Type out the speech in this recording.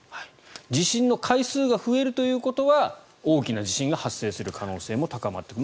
地震の回数が増えるということは大きな地震が発生する可能性も高まってくる。